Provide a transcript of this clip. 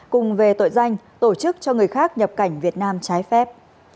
cùng về tội danh tổ chức cho người khác nhập cảnh việt nam trái phép